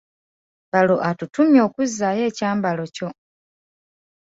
Balo atutumye okuzzaayo ekyambalo kyo!